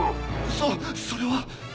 そそれは。